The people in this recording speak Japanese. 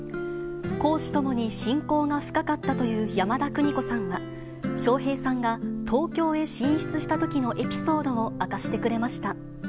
公私ともに親交が深かったという山田邦子さんは、笑瓶さんが東京へ進出したときのエピソードを明かしてくれました。